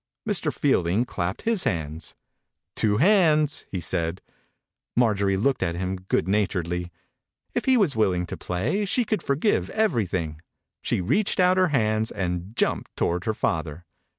Mr. Fielding clapped his hands. " Two hands!" he said. 62 THE INCUBATOR BABY Marjorie looked at him good naturedly. If he was willing to play she could forgive every thing. She reached out her hands, and jumped toward her father.